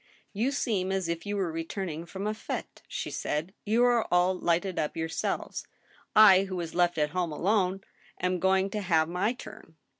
"You seem as if you were returning from z. fite" she said; " You are all hghted up yourselves. I, who was left at home alone, am going to have my turn."